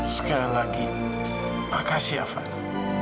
sekali lagi makasih fadil